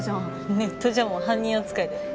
ネットじゃもう犯人扱いだよ。